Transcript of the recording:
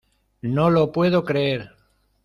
¡No lo puedo creer!